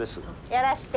やらして。